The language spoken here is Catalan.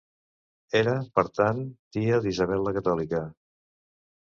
Era, per tant, tia d'Isabel la Catòlica.